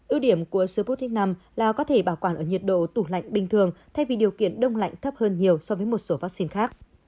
ưu điểm của sputnik v là có thể bảo quản ở nhiệt độ tủ lạnh bình thường thay vì điều kiện đông lạnh thấp hơn nhiều so với một số vaccine khác